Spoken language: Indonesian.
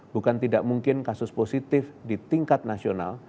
bukan tidak mungkin kasus positif di tingkat nasional